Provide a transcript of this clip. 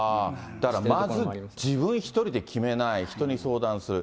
だからまず、自分１人で決めない、人に相談する。